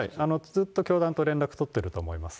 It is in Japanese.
ずっと教団と連絡取っていると思います。